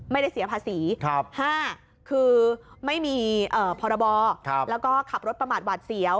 ไม่ได้เสียภาษี๕คือไม่มีพรบแล้วก็ขับรถประมาทหวัดเสียว